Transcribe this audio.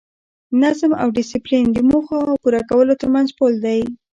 نظم او ډیسپلین د موخو او پوره کولو ترمنځ پل دی.